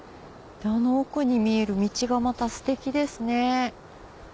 あの奥に見える道がまたステキですね。